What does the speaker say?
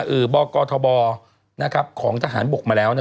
อืมบกทบนะครับของทหารบกมาแล้วนะ